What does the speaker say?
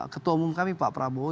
ketua umum kami pak prabowo